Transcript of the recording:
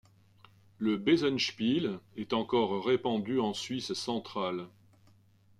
Le besenspiel est encore répandu en Suisse centrale.